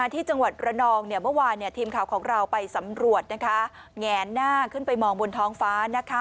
ทีมข่าวของเราไปสำรวจแง่หน้าขึ้นไปมองบนท้องฟ้านะคะ